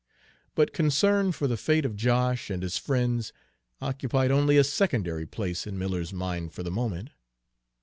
But concern for the fate of Josh and his friends occupied only a secondary place in Miller's mind for the moment.